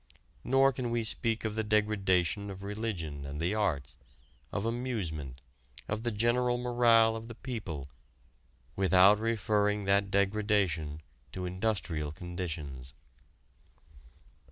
Nor can we speak of the degradation of religion and the arts, of amusement, of the general morale of the people without referring that degradation to industrial conditions.